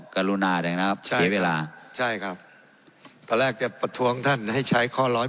กรุณานะครับเสียเวลาใช่ครับตอนแรกจะประท้วงท่านให้ใช้ข้อ๑๘